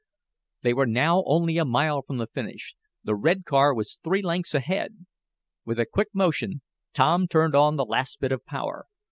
They were now only a mile from the finish. The red car was three lengths ahead. With a quick motion Tom turned on the last bit of power.